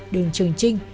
đường trường trinh